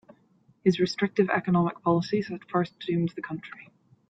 His restrictive economic policies at first doomed the country.